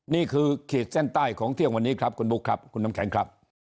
ขีดเส้นใต้ของเที่ยงวันนี้ครับคุณบุ๊คครับคุณน้ำแข็งครับ